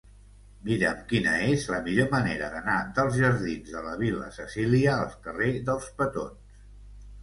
Mira'm quina és la millor manera d'anar dels jardins de la Vil·la Cecília al carrer dels Petons.